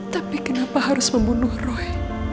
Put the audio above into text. tapi kenapa harus membunuh roh